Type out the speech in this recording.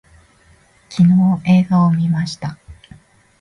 昨日映画を見ました